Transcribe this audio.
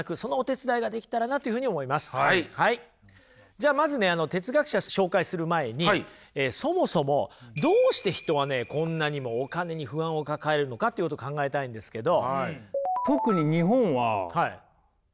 じゃあまずねあの哲学者紹介する前にそもそもどうして人はねこんなにもお金に不安を抱えるのかっていうことを考えたいんですけど。